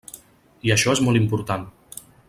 I això és molt important.